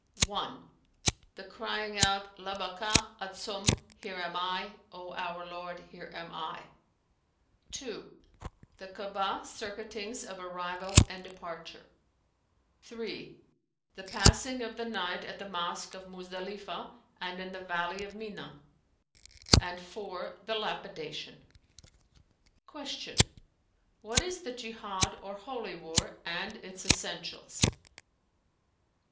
"(1) The crying out 'Labbay'ka, Adsum, Here am I, O our Lord, here am I!'[FN#325]4 (2) the Ka'abah circuitings[FN#326] of arrival and departure; (3) the passing the night at the Mosque of Muzdalifah and in the valley of Mina, and (4) the lapidation.[FN#327]" Q "What is the Jihαd or Holy War and its essentials?"